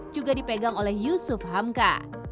juga dipegang oleh yusuf hamka